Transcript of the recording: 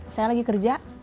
saya lagi kerja